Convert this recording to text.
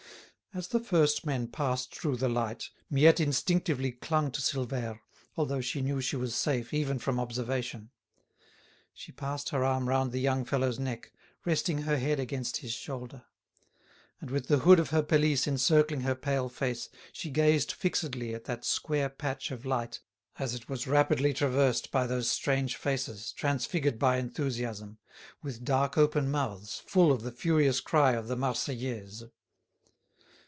As the first men passed through the light Miette instinctively clung to Silvère, although she knew she was safe, even from observation. She passed her arm round the young fellow's neck, resting her head against his shoulder. And with the hood of her pelisse encircling her pale face she gazed fixedly at that square patch of light as it was rapidly traversed by those strange faces, transfigured by enthusiasm, with dark open mouths full of the furious cry of the "Marseillaise."